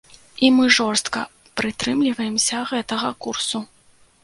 І мы жорстка прытрымліваемся гэтага курсу.